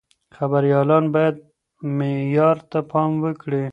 خبريالان بايد معيار ته پام وکړي.